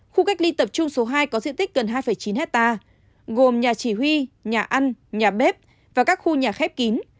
khu cách ly tập trung số hai có diện tích gần hai chín hectare gồm nhà chỉ huy nhà ăn nhà bếp và các khu nhà khép kín